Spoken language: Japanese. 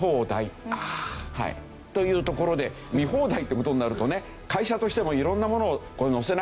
というところで見放題って事になるとね会社としても色んなものを載せなければいけない。